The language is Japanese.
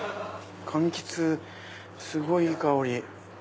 柑橘すごいいい香り。